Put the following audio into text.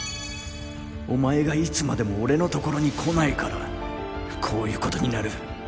お前がいつまでも俺のところに来ないからこういうことになる。